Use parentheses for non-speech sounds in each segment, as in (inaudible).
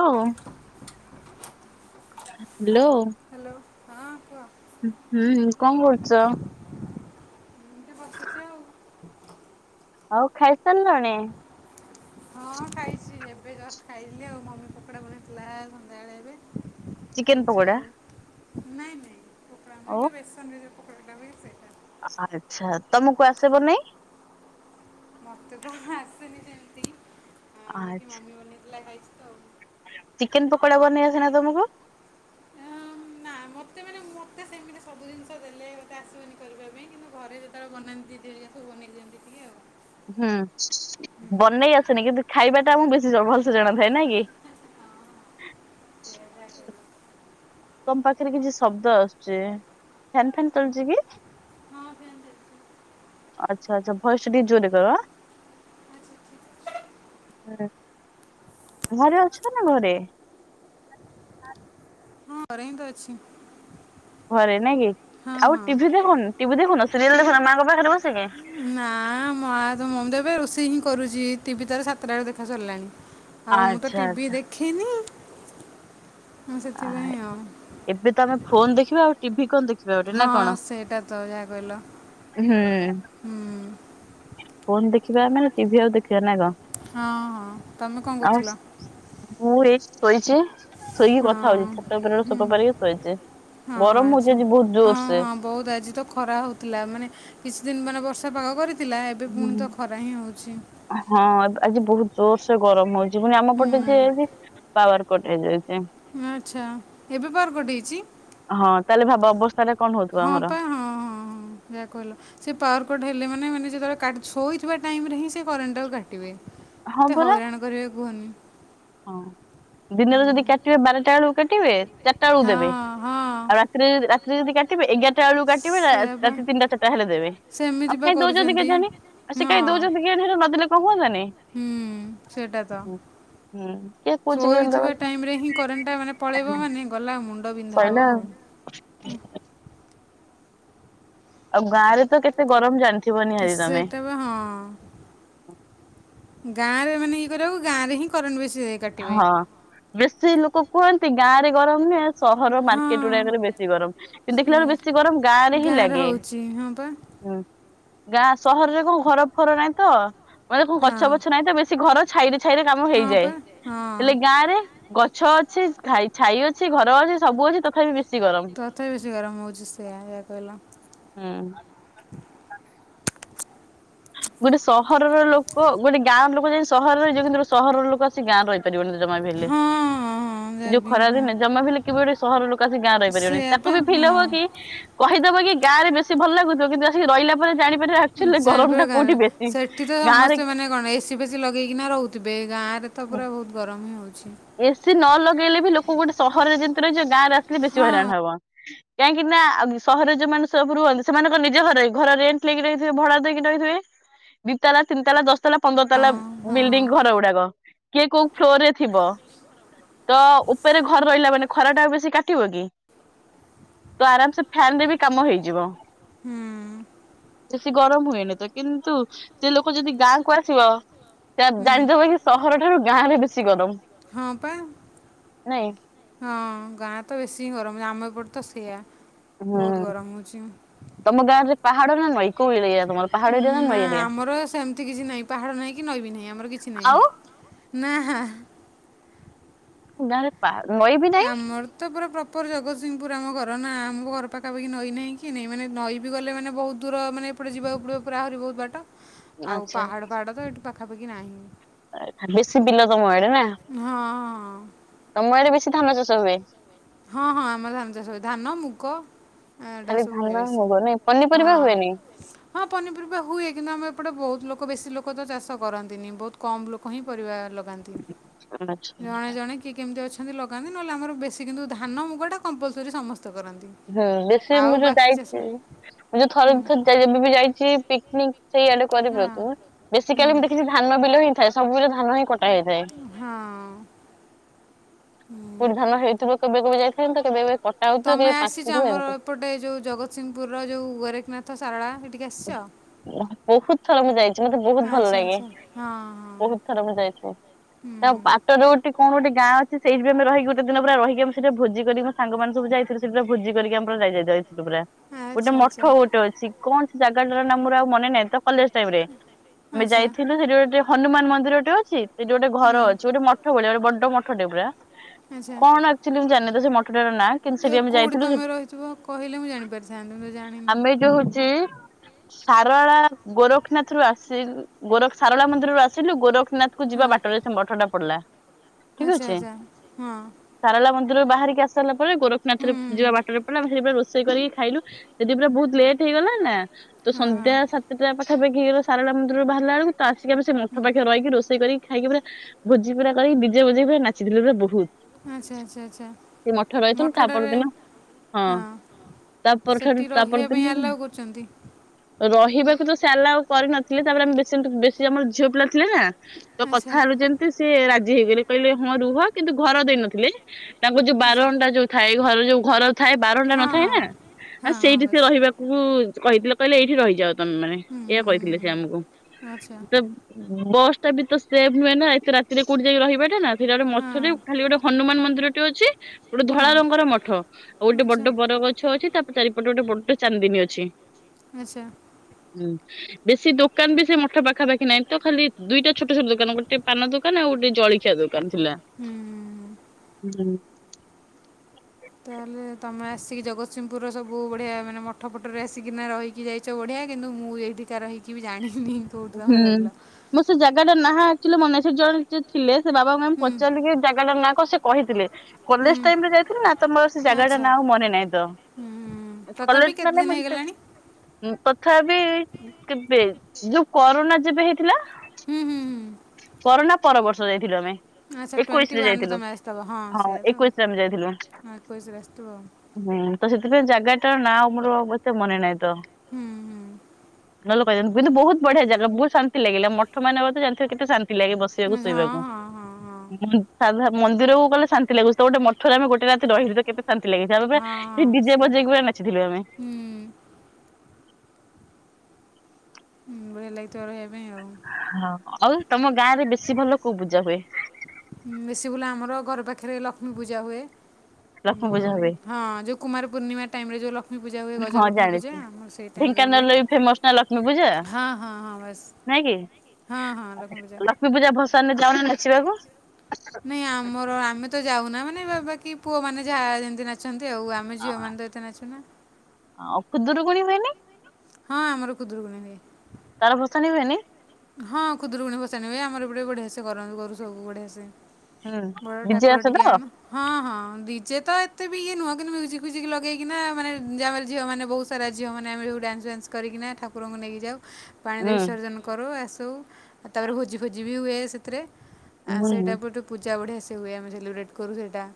ଆଉ। (inaudible) Hello. Hello ହଁ କୁହ। ହୁଁ କଣ କରୁଚ। ଏମିତି ବସିଛି ଆଉ। ଆଉ ଖାଇସାରିଲଣି। ହଁ ଖାଇଛି ଏବେ ଜଷ୍ଟ ଖାଇଥିଲି ଆଉ ମମି ପକଡା ବନେଇଥିଲା ସନ୍ଧ୍ୟାବେଳେ ଏବେ। ଚିକେନ ଖାଇଚି ପକୋଡା। ଆଉ ନାଇଁ ନାଇଁ ପକଡା। ଆଉ। ଟେସନରେ ଯୋଉ ପକଡା ଟା ହୋଇଅଛି। ଆଚ୍ଛା ତମକୁ ଆସେ ବନେଇ। ମତେ ତ ଆସେନି ସେମିତି ମମି କି ଆଚ୍ଛା ମମି ବନେଇଥିଲା ଖାଇଛି ତ ଆଉ। ଚିକେନ ପକୋଡା ବନେଇ ଆସେ ନା ତମକୁ। ଆଁ, (inaudible) ନା ମତେ ମାନେ ମତେ ସେମିତି ସବୁ ଜିନିଷ ଦେଲେ ମତେ ଆସିବନି କରିବା ପାଇଁ କିନ୍ତୁ ଘରେ ଯଦି ତାର ବନାନ୍ତି ଦିଦି ହରିକା କୁ ବନେଇ ଦିଅନ୍ତି ଟିକେ ଆଉ। ହୁଁ ବନେଇ ଆସେନି କିନ୍ତୁ ଖାଇବା ଟା ମୁଁ ବେଶୀ ଜଣ ଭଲସେ ଜଣାଥାଏ ନାଇଁ କି। ତମ ପାଖରେ କିଛି ଶବ୍ଦ ଆସୁଛି ଫ୍ୟାନ୍ ଫ୍ୟାନ୍ ଚାଲୁଛି କି। ଆଚ୍ଛା ଆଚ୍ଛା ଭଏସଟା ଟିକେ ଜୋରେ କର ଆଁ। ହୁଁ ଘରେ ଅଛ ନା ଘରେ। ହଁ ଘରେ ହିଁ ତ ଅଛି। ଘରେ ନାଇଁ କି ହଁ ଆଉ ହଁ। ଟିଭି ଦେଖୁନୁ ଟିଭି ଦେଖୁନ ସିରିଏଲ ଦେଖୁନ ମାଙ୍କ ପାଖରେ ବସିକି? ନା ମା ତ ମମି ଦେବେ ରୋଷେଇ ହିଁ କରୁଚି ଟିଭି ତାର ସାତଟାକୁ ଦେଖା ସରିଲାଣି। ଆଉ ମୁଁ ତ ଆଚ୍ଛା ଟିଭିି ଦେଖେନି ମୁଁ ସେଥିପାଇଁ ଆଚ୍ଛା। ଆଉ। ଏବେ ତ ଆମେ ଫୋନ ଦେଖିବ ଆଉ ଟିଭି କଣ ଦେଖିବା ଗୋଟେ ନା ହଁ କଣ? ସେଇଟା ତ ଯାହା କହିଲ। ହୁଁ। ହୁଁ ଫୋନ ଦେଖିବା ଆମେ ଟିଭି ଆଉ ଦେଖିବା ନା କଣ? ହଁ ହଁ ତମେ କଣ ଆଉ କହୁଥିଲ? ମୁଁ ଏଇ ଶୋଇଚି ଶୋଇକି ହଁ କ ଥା ହୋଉଚି ଛାତ ଉପରେ ଗୋଟେ ହୁଁ ସପ ପାରିକି ଶୋଇଚି ଗରମ ହୋଉଚି ଆଜି ବୋହୁତ ଜୋର ସେ ବୋହୁତ ଆଜି ତ ଖରା ହୋଉଥିଲା ମାନେ କିଛି ଦିନ ମାନେ ବର୍ଷା ପାଗ କରିଥିଲା ଏବେ ପୁଣି ତ ଖରା ପାଇଁ ହୋଉଛି। ହଁ ଆଜି ବୋହୁତ ଜୋର ସେ ଗରମ ହୋଉଚି ପୁଣି ଆମ ପଟେ ଯେ ହୁଁ ପାୱାର କଟ୍ ହେଇଯାଇଚି। ଆଛା ଏବେ ପାୱାରକଟ୍ ହେଇଚି? ହଁ ତାହେଲେ ଭାବ ଅବସ୍ଥା ଟା କଣ ହଉଥିବ ହଁ ଆମର ପା ହଁ ହଁ ହଁ ଯା କହିଲ। ସେ ପାୱାରକଟ୍ ହେଲେ ମାନେ ମାନେ ଯେତୋବେଳେ କା ଶୋଇଥିବା ଟାଇମ ରେ ହିଁ ସେ କରେଣ୍ଟଟାକୁ କାଟିବେ। ହଁ ଏତେ ପରା ହଇରାଣ କରିବେ କୁହନି। ହଁ ଦିନରେ ଯଦି କାଟିବେ ବାରଟା ବେଳକୁ କାଟିବେ ଚାରିଟା ବେଳକୁ ହଁ ଦେବେ ହଁ ଆଉ ରା ତିରେ ରାତିରେ ଯଦି କାଟିବେ ଏଗାର ଟାଳୁ କାଟିବୁ ସେୟା ପା ରାତି ତିନିଟା ଚାରଟା ହେଲେ ଦେବେ। ସେମିତି ଆଉ ପା କାଇଁ ଦୋଉଚନ୍ତି କରୁଛନ୍ତି କେଜାଣ ଆଉ ସେ ହଁ କାଇଁ ଦୋଉଚନ୍ତି ୟାଠାରୁ ନଦେଲେ କଣ ହୁଅନ୍ତାନି? ହୁଁ ସେଟା ତ। ହୁଁ କିଏ କହୁଛି କେମିତି ଦବା ଶୋଇଥିବା ପାଇଁ ଟାଇମ ରେ ହିଁ କରେଣ୍ଟ ଟା ମାନେ ପଳେଇବ ମାନେ ଗଲା ମୁଣ୍ଡ ବିନ୍ଧା ହବ ଆଉ। ଆଉ ଗାଁ ରେ ତ କେତେ ଗରମ ଜାଣିଥିବ ନିହାତି ତମେ? ସେଟା ହଁ ଗାଁରେ ମାନେ ଇଏ କରିବାକୁ ଗାଁ ରେ ହିଁ କରେଣ୍ଟ ବେଶୀ ଯାଏ ହଁ ବେଶୀ ଲୋକ କୁହନ୍ତି ଗାଁ ରେ ଗରମ ନୁହେଁ। ସହର ମାର୍କେଟ ହଁ ଗୁଡାକରେ ବେଶୀ ଗରମ କିନ୍ତୁ ସେ ଦେଖିଲା ବେଳେ ବେଶୀ ଗରମ ଗାଁ ରେ ହିଁ ଗାଁରେ ଲାଗେ। ହେଉଛି ହଁ ପା ହୁଁ ଗାଁ ସହରରେ କୋଉ ଘର ଫର ନାହିଁ ତ। ମାନେ କୋଉ ଗଛ ହଁ ଫଛ ନାହିଁ ତ ବେଶୀ ଘର ଛାଇ ଛାଇରେ କାମ ହଁ ପା ହେଇଯାଏ। ହଁ। ଗାଁରେ ଗଛ ଅଛି, ଛାଇ ଅଛି, ଘର ଅଛି ସବୁ ଅଛି ତଥାପି ବେଶୀ ଗରମ। ତଥାପି ବେଶୀ ଗରମ ହୋଉଚି ସେୟା ଏୟା କହିଲା। ହୁଁ। ଗୋଟେ ସହରର ଲୋକ ଗୋଟେ ଗାଁ ର ଲୋକ ଯାଦି ସହରରେ ରହିଯିବ। କିନ୍ତୁ ଗୋଟେ ସହରର ଲୋକ ଆସି ସିଏ ଗାଁ ରହିପାରିବନି ଜମା ବି ହେଲେ। ହଁ ହଁ ଏ ଯାହା ଯୋଉ ବି ଖରା ହଁ ଦିନେ ଯମା ବି ଲେଖିବନି ସହର ଲୋକ ଆସିକ ଗାଁ ରହିପାରିବେନି ସେୟା ତାକୁ ପା ବି ଫିଲ୍ ହବ ହଁ କି କହିଦେବ କି ଗାଁରେ ବେଶୀ ଭଲ ଲାଗୁଥିବ କିନ୍ତୁ ଆଶିକି ରହିଲା ପରେ ଜାଣିପାରିବା ଆକ୍ଚୁଆଲି ଗରମ ଟା କା କୋଉଠି ବେଶୀ। ସେଠି ତ ଗାଁରେ ସମସ୍ତେ ମାନେ କଣ ଏ ଏ ସି ଫେଶି ଲଗେଇକିନା ରୋହୁଥିବେ ଗାଁରେ ତ ପୁରା ବୋହୁତ ଗରମ ହିଁ ହୋଉଛି। ଏ ସିି ନ ଲଗେଇଲେ ବି ଲୋକ ଗୋଟେ ସହରରେ ଯେମିତି ରହିଚି ଗାଁ ରେ ଆସିଲେ ବେଶୀ ହଁ ହଇରାଣ ହବ। କାହିଁକି ନା ଆଗ୍ ସହରରେ ଯୋଉମାନେ ସବୁ ରୁହନ୍ତି ସେମାନଙ୍କ ନିଜ ଘର ଘରେ ରେଣ୍ଟ ନେଇକି ରହିଥିବେ ଭଡା ଦେଇକି ରହିଥିବେ। ଦିଇ ତାଲା ତିନି ତାଲା ଦଶ ତାଲା ପନ୍ଦର ହଁ ତାଲା ହଁ ବିଲ୍ଡିଙ୍ଗ ଘର ଗୁଡାକ କିଏ କୋଉ ଫ୍ଲୋର ରେ ଥିବ। ତ ଉପରେ ଘରେ ରହିଲା ମାନେ ଖରା ଟା ଆଉ ବେଶୀ କାଟିବ କି ତ ଆରାମ ସେ ଫ୍ୟାନ ରେ ବି କାମ ହେଇଯିବ। ହୁଁ ବେଶି ଗରମ ହୁଏନି ତ କିନ୍ତୁ ସେ ଲୋକ ଯଦି ଗାଁକୁ ଆସିବ। ହୁଁ ଜାଣିଦବ କି ସହର ଠାରୁ ଗାଁ ରେ ବେଶୀ ଗରମ। ହଁ ପା। ନାଇଁ? ହଁ ଗାଁରେ ତ ବେଶି ଗରମ୍ ଆମ ଏପଟେ ତ ସେୟା। ହୁଁ ତମ ଗାଁ ରେ ପାହାଡ ନା ନଈ କୋଉ (unintelligible) ତମର? ପାହାଡ ଏରିଆ ନଈ ନା ଏରିଆ? ଆମର ସେମ୍ତି କିଛି ନାହିଁ ପାହାଡ଼ ନାହିଁ କି ନଈ ବି ନାହିଁ ଆମର କିଛି ଆଉ। ନାହିଁ। ନା-ହାଁ। (unintelligible) (unintelligible) ନଈ ବି ନାହିଁ ଆମର ତ ପୁରା ପ୍ରପର୍ ଜଗତସିଂହପୁର ଆମ ଘର ନା, ଆମ ଘର ପାଖାପାଖି ନଈ ନାହିଁ କି ନାହିଁ ମାନେ ନଈ ବି ଗଲେ ମାନେ ବହୁତ୍ ଦୂର ମାନେ ଏପଟେ ଯିବାକୁ ପଡ଼ିବ ପୁରା ଆହୁରି ବହୁତ୍ ବାଟ, ଆଉ ଆଚ୍ଛା ପାହାଡ଼ ଫାହାଡ଼ ତ ଏଠି ପାଖାପାଖି ନାହିଁ। ବେଶି ବିଲ ତମ ଆଡେ ନା? ହଁଁ-ହଁ। ତମ ଆଡେ ବେଶି ଧାନ ଚାଷ ହୁଏ? ହଁ-ହଁ ଆମର ଧାନ ଚାଷ ହୁଏ ଧାନ, ମୁଗ ଖାଲି (unintelligible) ସବୁ ହୁଏ ଧାନ ବେଶି ମୁଗ ନାଇଁ ପନିପରିବା ହଁ। ହୁଏନି? ହଁ ପନିପରିବା ହୁଏ କିନ୍ତୁ ଆମ ଏପଟେ ବହୁତ୍ ଲୋକ ବେଶି ଲୋକ ତ ଚାଷ କରନ୍ତିନି ବହୁତ୍ କମ୍ ଲୋ କ ହିଁ ପରିବା ଲାଗନ୍ତି, ଆଚ୍ଛା ଜଣେ ଜଣେ କିଏ କେମ୍ତି ଅଛନ୍ତି ଲାଗନ୍ତି ନହେଲେ ଆମର ବେଶ୍ ଶି କିନ୍ତୁ ଧାନ ମୁଗଟା କମ୍ପଲ୍ସରି ସମସ୍ତେ କରନ୍ତି। ହୁଁ ବେଶି ଆଉ ମୁଁ ଯୋଉ ବାକି ଚାଷ ଯାଇଛି ମୁଁ ଯୋଉ ହୁଁ ଥରେ ଦି ଥର ଯେବେ ବି ଯାଇଛି ପିକନିକ୍ ସେଇଆଡେ ହଁ (unintelligible) ହୁଁ ବେଶିକାଲି ମୁଁ ଦେଖିଚି ଧାନ ବିଲ ହିଁ ଥାଏ, ସବୁ ବିଲ ଧାନ ହିଁ କଟା ହେଇଥାଏ। ହଁ। ହୁଁ କୋଉଠି ଧାନ ହେଉଥିବ ତ କେବେ-କେବେ (unintelligible) ତ କେବେ-କେବେ କଟା ହଉଥିବ ତମେ କେବେ ଆସିଛ ପାଚଥିବ ଆମର ଏମ୍ତି। ଏପଟେ ଯୋଉ ଜଗତସିଂହପୁରର ଯେଉଁ ଗୋରେଖନାଥ, ସାରଳା ବହୁତ୍ ଥର ମୁଁ ଯାଇଚି, ମତେ ବହୁତ୍ ଭଲ୍ ଲାଗେ ବହୁତ୍ ଥର ମୁଁ ଯାଇଛି। ତା ହୁଁ (unintelligible) କଣ ଗୋଟେ ଗାଁ ଅଛି, ସେଇଠି ଆମେ ରହିକି ଗୋଟେ ଦିନ ପୁରା ରହିକି ଆମେ ସେଇଟି ଭୋଜି (unintelligible) ସାଙ୍ଗମାନେ ସବୁ ଯାଇଥିଲୁ ସେଇଟି ପୁରା ଭୋଜି କରିକି ଆମେ ପୁରା ଯାଇ ଯାଇଥିଲୁ ପୁରା। ଗୋଟେ ଆଚ୍ଛା ଆଚ୍ଛା ମଠ ଗୋଟେ ଅଛି, କଣ ସେ ଜାଗାଟାର ନାଁ ମୋର ଆଉ ମନେ ନାହିଁ ତ। କଲେଜ୍ ଟାଇମ୍ ରେ ଆମେ ଆଚ୍ଛା ଯାଇଥିଲୁ, ସେଠି ଗୋଟେ ହନୁମାନ୍ ମନ୍ଦିର ଟେ ଅଛି। ସେଇଟି ଗୋଟେ ହୁଁ ଘର ଅଛି ଗୋଟେ ମଠ ଭଳିଆ ଗୋଟେ ବଡ ମଠଟେ ପୁରା। ଆଚ୍ଛା କଣ ଆକ୍ଚୁଆଲି ମୁଁ ଜାଣିନି ତ ସେ ମଠ ଟାର ନାଁ। କିନ୍ତୁ ଯେ ସେଠି ଆମେ କେଉଁଠି ଯାଇଥିଲୁ, ତୁମେ ରହିଥିବ କହିଲେ ମୁଁ ସେଠି ଜାଣିପାରିଥାନ୍ତି ମୁଁ ତ ଜାଣିନି ଆମେ ଯୋଉ ହଉଚି। ସାରଳା ଗୋରଖୀନାଥ ରୁ ଆସି ଗୋରଖ ସାରଳା ମନ୍ଦିରରୁ ଆସିଲୁ ଗୋରଖନାଥ କୁ ଯିବା ବାଟରେ ସେ ମଠ ଟା ପଡିଲା। ଠିକ ଅଛି। ଆଚ୍ଛା-ଆଚ୍ଛା ହଁ। ସାରଳା ମନ୍ଦିରରୁ ବାହାରିକି ଆସାରିଲା ପରେ ଗୋରଖନାଥରେ ହୁଁ ହୁଁ ଯିବା ବାଟରେ ପଡିଲା, ଆମେ ସେଇଠି ପୁରା ରୋଷେଇ କରିକି ଖାଇଲୁ। ସେଠି ପୁରା ବହୁତ୍ ଲେଟ୍ ହେଇଗଲା ନା, ତ ହଁ ସନ୍ଧ୍ୟା ହଁ ସାତ ଟା ପାଖାପାଖି ହେଇଗଲା ସାରଳା ମନ୍ଦିରୁ ବାହାରିଲା ବେଳକୁ ତ ଆସିକି ଆମେ ସେ ମଠ ପାଖେରେ ରହିିକି ରୋଷେଇ କରିକି ଖାଇକି ପୁରା ଭୋଜି ପୁରା କରିକି ଡିଜେ ବଜେଇ ପୁରା ନାଚିଥିଲୁ ପୁରା ବହୁତ୍। ଆଚ୍ଛା-ଆଚ୍ଛା-ଆଛା ତା ମଠ ଟାରେ ପରଦିନ ହଁ ତା ପରଠାରୁ ସେଠି ତା ରହିବା ପାଇଁ ପରଦିନ ଆଲାଓ କରୁଚନ୍ତି? ରହିବାକୁ ତ ସିଏ ଆଲାଉ କରିନଥିଲେ, ତାପରେ ଆମେ ବେଶି ଆମର ଝିଅ ପିଲା ଥିଲେ ନା। ତ ଆଚ୍ଛା କଥା ହେଲୁ ଯେମିତି ସିଏ ରାଜି ହେଇଗଲେ, କହିଲେ ହଁ ରୁହ କିନ୍ତୁ ଘର ଦେଇନଥିଲେ। ତାଙ୍କ ଯୋଉ ଆଚ୍ଛା ବାରଣ୍ଡା ଯୋଉ ଥାଏ ଘର ଯୋଉ ଘର ଥାଏ ବାରଣ୍ଡା ହଁ ନଥାଏ ହଁ ନା, ହଁ ହଁ ସେଇଠି ସିଏ ବାସ୍ ରହିବାକୁ କହିଥିଲେ କହିଲେ ଏଇଠି ରହିଯାଅ। ତମେମାନେ ହୁଁ ଏୟା ହୁଁ କହିଥିଲେ ସେ ଆମକୁ ହୁଁ ଆଚ୍ଛା ତ ବସ୍ ଟା ବି ତ ସେଫ୍ ନୁହେଁ ନା, ଏତେ ରାତିରେ କୋଉଠି ଯାଇକି ରହିବାଟା ନା। ସାଇଟା ଗୋଟେ ମଠରେ ହଁ ଖାଲି ଗୋଟେ ହନୁମାନ ମନ୍ଦିର ଟେ ଅଛି। ଗୋଟେ ଧଳା ହଁ ରଙ୍ଗର ମଠ ଆଉ ଗୋଟେ ଆଚ୍ଛା ବଡ ବରଗଛ ଅଛି, ତାପରେ ଚାରିପଟେ ଗୋଟେ ବଡ ଚାନ୍ଦିନୀ ଅଛି। ଆଚ୍ଛା। ହୁଁ। ବେଶୀ ଦୋକାନ ବି ସେ ମଠ ପାଖାପାଖି ନାହିଁ ତ ଖାଲି ଦିଟା ଛୋଟ ଛୋଟ ଦୋକାନ ଗୋଟେ ପାନ ଦୋକାନ ଆଉ ଗୋଟେ ଜଳଖିଆ ଦୋକାନ କାନ୍ ଥିଲା ହୁଁ ହଁ ତାହେଲେ ତମେ ଆସିକି ଜଗତସିଂପୁରର ସବୁ ବଢିଆ ମାନେ ମଠ ପଠରେ ଆସିକିନା ରହିକି ଯାଇକି ସେ ବଢ଼ିଆ କିନ୍ତୁ ମୁଁ ଏଇଠିକା ର ହୋଇକି ବି ଜାଣିନି। କେଉଁଠି ତମେ ହୁଁ ରହିଲ ମୋ ସେ ଜାଗାଟା ନା ଏକ୍ଟୁଲି ମନେ ସେ ଜଣେ ଥିଲେ ସେ ବାବା ମେ ହୁଁ ପଚାରିଲିକି ଜାଗା ଟା ନାଁ କଣ ସେ କହିଥିଲେ କଲେଜ ହୁଁ ଟାଇମ ରେ ଯାଇଥିଲେ ନା ତମର ସେ ଜାଗା ଟା ଆଚ୍ଛା ନା ଆ ମନେ ନାହିଁ ତ ହୁଁ ତଥାପି କଲେଜ କେତେ ମାନେ ଦିନ ଏମିତ ହେଇଗଲାଣି ତଥାପି କେବେ ଯୋଉ କରୋନା ଯେବେ ହେଇଥିଲା। ହୁଁ ହୁଁ ହୁଁ କରନା ପର ବର୍ଷ ଯାଇଥିଲୁ ଆମେ। ଆଚ୍ଛା ଏକୋଇଶ ଟ୍ୱେଣ୍ଟି ରେ ୱାନ୍ରେ ଯାଇଥିଲୁ ତମେ ଆସିଥିବ ହଁ ସେଇଆ ତ ଏକୋଇଶ ରେ ଆମେ ଯାଇଥିଲୁ। ଏକୋଇଶରେ ଆସିଥିବ ଆଉ ହୁଁ ତ ସେଥିପାଇଁ ଜାଗା ଟା ନାଁ ମୋର ଏତେ ମନେ ନାହିଁ ତ। ହୁଁ ହୁଁ ଲୋକ ଜା କିନ୍ତୁ ବହୁତ ବଢିଆ ଜାଗା ବହୁ ଶାନ୍ତି ଲାଗିଲା ମଠ ମାନେ ତ ଜାଣିିଥିବ କେତେ ଶାନ୍ତି। ଲାଗେ ବସିବାକୁ ଆଚ୍ଛା ହଁ ଶୋଇବାକୁ ହଁ ହଁ ହଁ ସାଧାରଣ ମନ୍ଦିରକୁ ଗଲେ ଶାନ୍ତି ଲାଗୁଛି ଗୋଟେ ମଠରେ ଆମେ ଗୋଟେ ରାତି ରହିଲୁ ତ କେତେ ଶାନ୍ତି ଲାଗିଥାିବଉ ହଁ ସେ ହଁ ଡିଜେ ସେଇଆ ବଜେଇକୁ ନାଚିଥିଲୁ ଆମେ ହୁଁ। ହୁଁ ବଢିଆ ଲାଗିଥିବର ହେବେ ଆଉ ହଁ ଆଉ ତମ ଗାଁ ରେ ବେଶୀ ଭଲ କୋଉ ପୂଜା ହୁଏ। ବେଶୀ ଭୁଲ ଆମର ଘର ପାଖରେ ଲକ୍ଷ୍ମୀ ପୂଜା ହୁଏ। ଲକ୍ଷ୍ମୀ ପୂଜା ହୁଏ? ହଁ ଯେଉଁ କୁମାର ପୂର୍ଣ୍ଣିମା ଟାଇମରେ ଯେଉଁ ଲକ୍ଷ୍ମୀ ପୂଜା ହୁଏ ଗଜ ଲକ୍ଷ୍ମୀ ପୂଜା ଆମ ସେଇ ଟାଇମ୍ ହୁ ଫେମସ୍ ଲକ୍ଷ୍ମୀ ପୂଜା ହଁ ହଁ ହଁ ବସ୍ ନାଇଁ କି? ହଁ ହଁ ଲକ୍ଷ୍ମୀପୂଜା। ଲକ୍ଷ୍ମୀ ପୂଜା ଭସାଣି ରେ ଯାଉନ ନାଚିବାକୁ। ନାଇଁ ଆମର ଆମେ ତ ଯାଉନା ମାନେ ବାବାକି ପୁଅ ମାନେ ଯାହା ଯେମିତି ନାଚନ୍ତି ହେଉ ଆମେ ଝିଅମାନେ ତ ଏତେ ନାଚୁ ନା। ଆଉ ଖୁଦରୁ ଗୁଣି ହୁଏନି? ହଁ ଆମର ଖୁଦୁରୁ କୁଣି ହୁଏ। ତାର ଭସାଣି ହୁଏନି? ହଁ ଖୁଦରୁକୁୁଣି ଭସାଣି ହୁଏ ଆମର ଏପଟେ ବଢିଆସେ କରନ୍ତୁ କରୁ ସବୁ ବଢିଆସେ। ହୁଁ ବଡ଼ ଡିଜେ ଠାକୁର ଆସେ ଟିକେ ତ ଆଣୁ ହଁ ହଁ ଡିଜେ ତ ଏତେ ବି ଇଏ ନୁହଁ କିନ୍ତୁ ମ୍ୟୁଜିକ ଫୁଜିକ ଲଗେଇକିନା ମାନେ ଝିଅ ମାନ ବହୁ ସାରା ଝିଅମାନେ ଆମେ ସବୁ ଡାନ୍ସ ୱାନ୍ସ କରିକିନା ଠାକୁରଙ୍କୁ ନେଇକ ଯାଉ ପାଣିରେ ହୁଁ ବିସର୍ଜନ କରୁ ଆସୁ ଆଉ ତାପରେ ଭୋଜି ଫୋଜି ବି ହୁଏ ସେଥିରେ ଆ ସେଇଟା ହୁଁ। ପଟେ ପୂଜା ବଢ଼ିଆ ସେ ହୁଏ ଆମେ ସେଲିବ୍ରେଟ୍ କରୁ ସେଇଟା।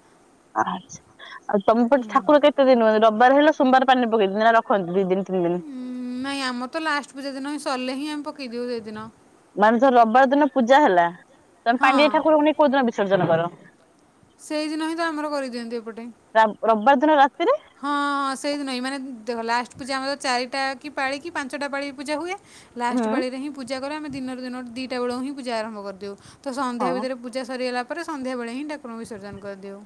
ଆ ଆଉ ତମପଟେ ଠାକୁର କେତେ ଦିନ ହୁଅନ୍ତି ରବିବାର ହେଲା ସୋମବାରାନି ପକେଇ ଦିିନ ରଖନ୍ତି ଦି ଦିନ? (unintelligible) ଉଁ ନାଇଁ ଆମର ତ ଲାଷ୍ଟ ପୂଜା ଦିନ ହିଁ ସରିଲେ ହିଁ ଆମେ ପକେଇଦେଉ ସେଇଦିନ। ମାନେ ଧର ରବିବାର ଦିନ ପୂଜା ହେଲା, ତମେ ହଁ ପାଣିରେ ଠାକୁରଙ୍କୁ ନେଇ କୋଉ ଦିନ ବିସର୍ଜନ କର? ସେଇଦିନ ହିଁ ତ ଆମର କରିଦିଅନ୍ତି ଏପଟେ। ରବି ରବିବାର ଦିନ ରାତିରେ? ହଁ ହଁ ସେଇଦିନହିଁ ମାନେ ଦେଖ ଲାଷ୍ଟ ପୂଜା ଆମର ଚାରିଟା କି ପାଳିକି ପାଞ୍ଚଟା ପାଳିି ପୂଜା ହୁଏ। ହୁଁ ଲାଷ୍ଟ ପାଳିରେ ହିଁ ପୂଜା କରୁ ଆମେ ଦିନରୁ ଦିନରୁ ଦିଟା ବେଳୁ ହିଁ ପୂଜା ଆରମ୍ଭ କରିଦେଉ ତ ସନ୍ଧ୍ୟା ହଁ। ଭିତରେ ପୂ ଜା ସରିଗଲା ପରେ ସନ୍ଧ୍ୟାବେଳେ ହିଁ ଠାକୁରଙ୍କୁ ବିସର୍ଜନ କରିଦେଉ।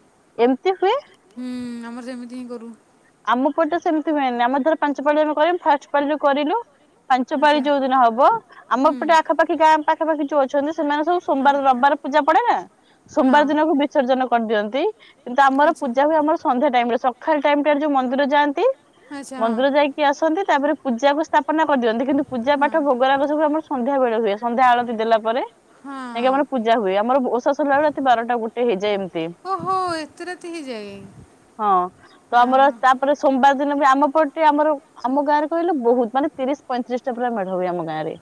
ଏମିତି ହୁଏ? ହୁଁ ଆମର ସେମିତି ହିଁ କରୁ। ଆମ ପଟେ ସେମିତି ହୁଏନି ଆମର ଧର ପାଞ୍ଚ ପାଳି ଆମେ କରିମୁ ଫାଷ୍ଟ ପାଳିରୁ କରିଲୁ ପାଞ୍ଚ ପାଳି ଆଚ୍ଛା ଯୋଉ ଦିନ ହବ ଆମ ହୁଁ। ଏପଟେ ଆଖାପାଖି ଗାଁ ପାଖାପାଖି ଯୋଉ ଅଛନ୍ତି ସେମାନେ ସବୁ ହଁ ସୋମବାର ରବିବାର ପୂଜା ପଡେ ନା। ସୋମବାର ହଁ। ଦିନ କୁ ବି ବିସର୍ଜନ କରିଦିଅନ୍ତି, କିନ୍ତୁ ଆମର ଆଚ୍ଛା। ପୂଜା ହୁଏ ଆମର ସନ୍ଧ୍ୟା ଟାଇମ୍ ରେ ସକାଳ ଟାଇମ ଟାରେ ଯୋଉ ମନ୍ଦିର ଯାଆନ୍ତି। ଆଚ୍ଛା ହଁ। ମନ୍ଦିର ଯାଇକି ଆସନ୍ତି ତାପରେ ପୂଜାକୁ ସ୍ଥାପ ପନା କରିଦିଅନ୍ତି, କିନ୍ତୁ ପୂଜା ହଁ ପାଠ ଭୋଗରାଗ ସବୁ ଆମର ସନ୍ଧ୍ୟାବେଳେ ହୁଏ। ସନ୍ଧ୍ୟା ଆଳତି ଦେଲା ପରେ ଜାଇଁକି ଆମର ହଁ ପୂଜା ହୁଏ ଆମର ଓଷା ସରିଲା ବେଳେ ରାତି ବାରଟା, ଗୋଟେ ହେଇଯାଏ ଏମିତି। ତି ହେଇଯାଏ। ହଁ। ତ ହଁ ଆମର ହଁ ତାପରେ ସୋମବାର ଦିନ ବି ଆମ ପଟେ ଆମର ଆମ ଗାଁରେ କହିଲେ ବହୁତ ମାନେ ତିରିଶ, ପଇଁତିରିଶ ଟା ପୁରା ମେଢ ହୁଏ ଆମ ଗାଁ ରେ।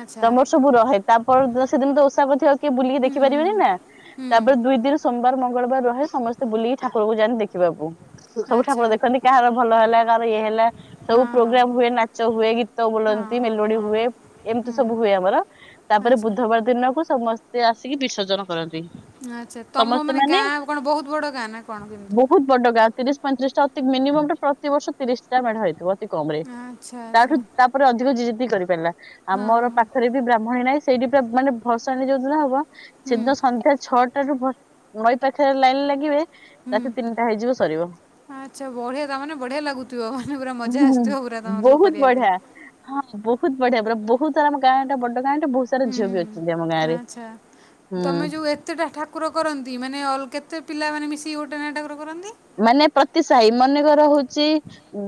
ଆଚ୍ଛା ତମର ସବୁ ରହେ, ତାପର ଦିନ ସେଦିନ ତ ଓଷା କରିଥିବେ କିଏ ବୁଲିକି ହୁଁ ଦେଖି ହୁଁ ପାରିବେନି ନା। ହୁଁ ତାପରେ ଦୁଇ ଦିନ ସୋମବାର, ମଙ୍ଗଳବାର ରହେ ସମସ୍ତେ ବୁଲିକି ଠାକୁରଙ୍କୁ ଯାନ୍ତି ଦେଖିବାକୁ। ସବୁ ଠାକୁର ଆଚ୍ଛା। ଦେଖନ୍ତି କାହାର ଭଲ ହେଲା କାହାର ଇଏ ହେଲା। ହଁ ସବୁ ହଁ ପ୍ରୋଗ୍ରାମ ହୁଏ ନାଚ ହୁଏ ଗୀତ ହଁ ବୋଲନ୍ତି ମେଲୋଡି ହଁ ହୁଏ ହଁ ଏମିତି ହୁଁ ସବୁ ହୁଏ ଆମର। ତାପରେ ଆଚ୍ଛା ବୁଧବାର ଦିନକୁ ସମସ୍ତେ ଆସିକି ବିସର୍ଜନ କରନ୍ତି। ଆଚ୍ଛା ତମ ମାନେ ଗାଁ କଣ ବହୁତ ବଡ ଗାଁ ନା କଣ କେମିତି? ବହୁତ ବଡ ଗାଁ ତିରିଶ, ପଇଁତିରିଶଟା ଅତି ମିନିମମ୍ ଟା ପ୍ରତି ବର୍ଷ ତିରିଶଟା ମେଢହେଇଥିବ। ଅତି କମ୍ ରେ ଆଚ୍ଛା ତାଠୁ ଆଚ୍ଛା ତା ଏପଟେ ଅଧିକ ଯିଏ ଯେତିକି କରିପାରିଲା, ହଁ ଆମର ପାଖରେ ବି ବ୍ରାହ୍ମଣୀ ନାହିଁ ସେଇଠି ପୁରା ମାନେ ଭସାଣୀ ଯୋଉଦିନ ହବ ହଁ ହୁଁ ସେଦିନ ସନ୍ଧ୍ୟା ଛଅଟା ରୁ ଭ ନଈ ପାଖରେ ଲାଇନ୍ ଲାଗିବେ ହୁଁ ରାତି ତିନିଟା ହେଇଯିବ ସରିବ। ଆଚ୍ଛା ବଢିଆ ତାମାନେ ବଢିଆ ଲାଗୁଥିବ ମାନେ ପୁରା ମଜା ହୁଁ ଆସୁଥିବ ପୁରା ତମର ସବୁ ବହୁତ କରିବା ପାଇଁ। ବଢିଆ। ହଁ ବହୁତ ବଢିଆପୁରା ବହୁତ ସାରା ଆମ ଗାଁଟା ବଡ ଗାଁଟା ବହୁତ ତାର ହୁଁ ଝିଅ ବି ହୁଁ ଅଛନ୍ତି ଆମ ଗାଁ ରେ, ହୁଁ। କେତେଟା ଠାକୁର କରନ୍ତି ମାନେ ଅଲ୍ କେତେ ପିଲାମାନେ ମିଶିକି ଗୋଟେ ନେଖା ଠାକୁର କରନ୍ତି? ମାନେ ପ୍ରତିସାହି ମନେକର ହଉଛି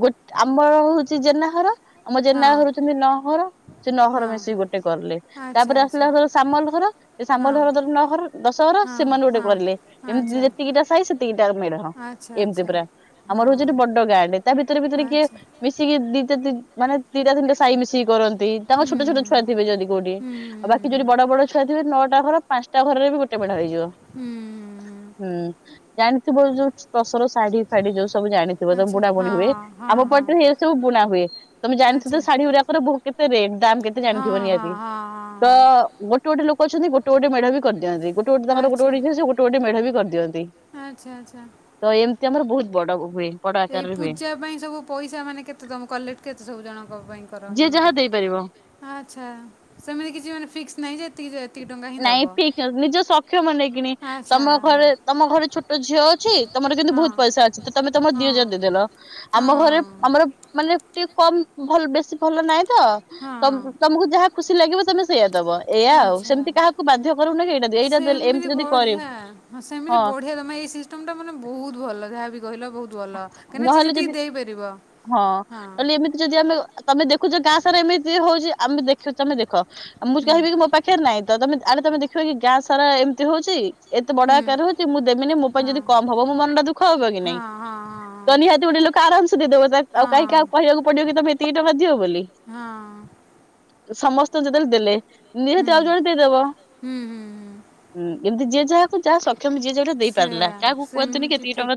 ଗୋଟ ଆମର ହଉଛି ଜେନାଘର ଆମ ଜେନା ହଁ ହଉଛନ୍ତି ନହର, ସେ ନହର ହଁ ମିଶିକି ଗୋଟେ କଲେ, ଆଚ୍ଛା ତାପରେ ଆଚ୍ଛା ଆସିଲା ଘର ସାମଲ ଘର ସେ ସାମଲ ହଁ ଘର ଧର ନଅ ଘର ଦଶ ଘର ହଁ ସେମାନେ ଗୋଟେ ହଁ କରିଲେ, ଏମିତି ଆଚ୍ଛା ଯେତିକିଟା ସାଇ ସେତିକିଟା ମେଢ। ଏମତି ପୁରା, ଆମର ହଉଛି ଏଠି ବଡ ଗାଁ ଟେ ତା ଭିତରେ-ଭିତରେ କିଏ ମି ମିଶିକି ଦିଟା ଦି ମାନେ ଦିଟା, ତିିନିଟା ସାଇ ମିଶିକି କରନ୍ତି। ତାଙ୍କ ଛୋଟଛୋଟ ଛୁଆ ଥିବେ ଯଦି କୋଉଠି, ଆଉ ବାକି ଯଦି ବଡ ବଡ ଛୁଆ ଥିବେ ନଅଟା ଘର। ପାଞ୍ଚଟା ଘରରେ ବି ଗୋଟେ ମେଢ ହେଇଯିବ, ହୁଁ ଜାଣିଥିବୁ ଯୋଉ ଟସର ଶାଢୀ ଫାଢୀ ଯୋଉ ସବୁ ଜାଣିଥିବ ତମ ବୁଣା ବୁଣି ହୁଏ ଆମ ପଟରେ ଏସବୁ ବୁଣା ହୁଏ। ତମେ ଜାଣିଥିବ ତ ଶାଢୀ ଗୁଡାକର ବହୁ କେତେ ରେଟ୍ ଦାମ୍ କେତେ ଜାଣିଥିବ ନିହାତି। ତ ଗୋଟେ ଗୋଟେ ଲୋକ ଅଛନ୍ତି ଗୋଟେ ଗୋଟେ ମେଢ ବି କରିଦିଅନ୍ତି ଗୋଟେ ଗୋଟେ ତାଙ୍କର ଗୋଟେ ଆଚ୍ଛା ଗୋଟେ ଇଚ୍ଛା ସେ ଗୋ ଗୋଟେ ଗୋଟେ ମେଢ ବି କରିଦିଅନ୍ତି। ଆଚ୍ଛା ଆଚ୍ଛା। ତ ଏମିତି ଆମର ବହୁତ ବଡ ହୁଏ। ବଡ ଏଇ ଆକାରରେ ହୁଏ ପୂଜା ପାଇଁ ସବୁ ପଇସା ମାନେ କେତେ ତମେ କଲେକ୍ଟ କେତ ସବୁ ଜଣଙ୍କ ପାଇଁ? କର ଯିଏ ଜଣଙ୍କା ଯାହା ଦେଇପାରିବ। ଆଚ୍ଛା ସେମିତି କିଛି ଫିକ୍ସ ନାଇ ଯେ ଏତିକି ଟଙ୍କା ହିଁ ଦେବ ନାଇଁ ଫିକ୍ ନିଜ ସକ୍ଷମ ନେଇକିନି ଆଚ୍ଛା ତମ ଘରେ ତମ ଘରେ ଛୋଟ ଝିଅ ଅଛି ତମର କିନ୍ତୁ ହଁ ବହୁତ ହଁ ପଇସା ଅଛି ତ ତମେ ତମର ଦି ହଜାର ହଁ ଦେଇଦେଲ ଆମ ଘରେ ହଁ। ଆମର ମାନେ ଟିକେ କମ ଭଲ ବେଶୀ ଭଲ ନାହିଁ ତ ତମ ହଁ। ତମକୁ ଯାହା ଖୁସି ଲାଗିବ ତମେ ସେଇଆ ଦବ ଏଇୟା ଆଉ ଆଚ୍ଛା। ସେମିତି କାହାକୁ ବାଧ୍ୟ କରିବୁନି କି ଏଇଟା ଦେ ଏଇଟା ଦେଲେ ଏମିତି ସେମିତି ଯଦି କରିବୁ ବଢିଆ ହଁ ସେମିତି ବଢିଆ ତମେ ଏଇ ତମେ ମାନେ ବହୁତ ଭଲ ଯାହା ବି କହିଲ ବହୁତ ଦୁଆଲ କାହିଁକିନା ଯିଏ ନହେଲେ ଯଦି ଯେତିକି ଦେଇପାରିବ ହଁ। କହିଲି ଏମିତି ଯଦି ଆମ ତମେ ଦେଖୁଛ ଗାଁ ସାର ଏମିତି ହଉଛି ଆମେ ଦେଖୁ ତମେ ଦେଖ ଆଉ ମୁଁ ହୁଁ। କହିବି କି ମୋ ପାଖରେ ନାହିଁ ତମେ ଆଡେ ତମେ ଦେଖିବା କି ଗାଁ ସାରା ଏମିତି ହଉଛି। ଏତେ ବଡ ହୁଁ। ଆକାର ହଉଛି ମୁଁ ଦେବିନି ମୋ ପାଇଁ ହଁ। ଯଦି କମ ହବ ମୋ ମନ ଟ ଦୁଃଖ ହବ କି ନାଇଁ। ହଁ ହଁ। ତ ହଁ। ନିହାତି ଗୋଟେ ଲୋକ ଆରାମସେ ଦେଇଦେବ ତା ଆଉ କାହିଁକି ହଁ କାହାକୁ କହିବାକୁ ପଡିବ କି ତମେ ଏତିକି ଟଙ୍କା ଦିଅ ବୋଲି ହଁ ସମସ୍ତ ଯେତେବେଳେ ଦେଲେ ନିହାତି ହୁଁ ଆଉ ହୁଁ ଜଣେ ଦେଇଦବ ହୁଁ ହୁଁ ଉଁ କେମିତି ଯିଏ ଯାହାକୁ ଯାହା ସକ୍ଷମ ଯିଏ ଦେଇ ସେ ପାରିଲା କାହାକୁ କୁହୁନ୍ତି କି ସେମିତି ଏତିକି ଟଙ୍କା ଠିକ୍